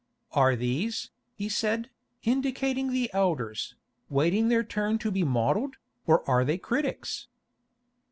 "Are these," he said, indicating the elders, "waiting their turn to be modelled, or are they critics?"